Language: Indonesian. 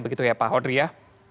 begitu ya pak hodri ya